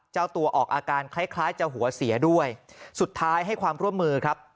เจ้าตัวออกอาการคล้ายคล้ายจะหัวเสียด้วยสุดท้ายให้ความร่วมมือครับ